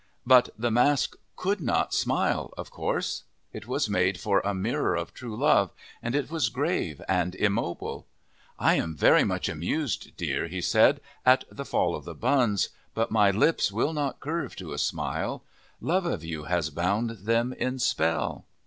But the mask could not smile, of course. It was made for a mirror of true love, and it was grave and immobile. "I am very much amused, dear," he said, "at the fall of the buns, but my lips will not curve to a smile. Love of you has bound them in spell."